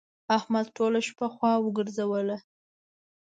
احمد ټوله شپه خوا وګرځوله.